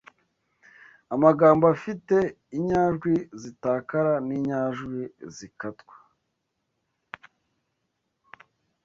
amagambo afite inyajwi zitakara n’inyajwi zikatwa